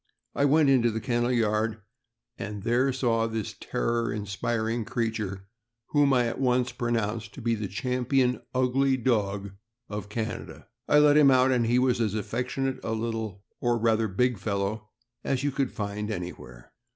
I went into the kennel yard, and there saw this terror inspiring creature, whom I at once pronounced to be the champion ugly dog of Can ada. I let him out, and he was as affectionate a little, or rather big, fellow as you could find anywhere.